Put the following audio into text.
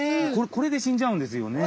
これで死んじゃうんですよね。